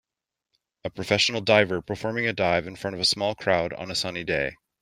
A professional diver performing a dive in front of a small crowd on a sunny day.